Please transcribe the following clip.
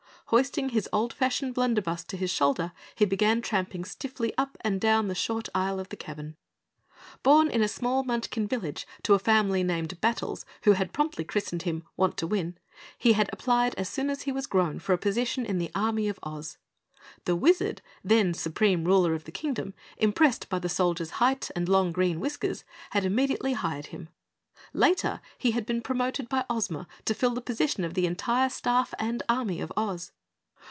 Hoisting his old fashioned blunder buss to his shoulder, he began tramping stiffly up and down the short aisle of the cabin. Born in a small Munchkin village to a family named Battles who had promptly christened him Wantowin, he had applied as soon as he was grown for a position in the army of Oz. The Wizard, then Supreme Ruler of the Kingdom, impressed by the Soldier's height and long green whiskers, had immediately hired him. Later he had been promoted by Ozma to fill the position of the entire staff and army of Oz.